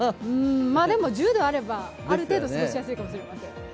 でも１０度あれば、ある程度過ごしやすいかもしれません。